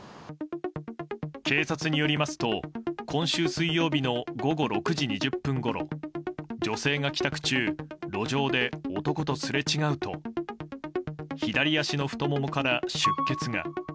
警察によりますと今週水曜日の午後６時２０分ごろ女性が帰宅中路上で男とすれ違うと左足の太ももから出血が。